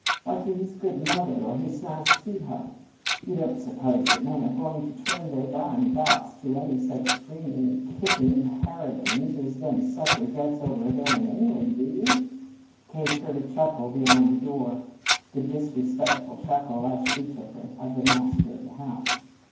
Why, to his good mother or his nice sweetheart! You don't suppose that men are going to turn their dying thoughts to any such screaming, kicking harridans as them suffragettes over there in England, do you?" Kate heard a chuckle beyond the door the disrespectful chuckle, as she took it, of the master of the house.